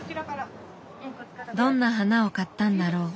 どんな花を買ったんだろう？